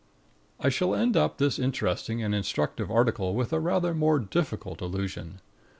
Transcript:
I shall end up this interesting and instructive article with a rather more difficult illusion.